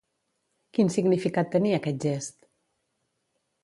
Quin significat tenia aquest gest?